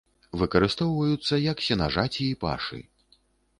Выкарыстоўваюцца як сенажаці і пашы.